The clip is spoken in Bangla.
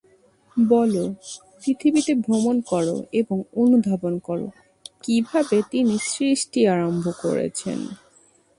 বল, পৃথিবীতে ভ্রমণ কর এবং অনুধাবন কর, কিভাবে তিনি সৃষ্টি আরম্ভ করেছেন।